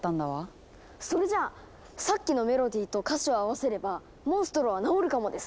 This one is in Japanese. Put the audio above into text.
それじゃあさっきのメロディーと歌詞を合わせればモンストロは治るかもですね。